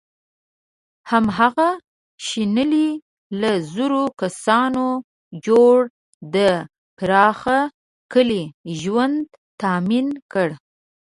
هماغه شنیلي له زرو کسانو جوړ د پراخ کلي ژوند تأمین کړ.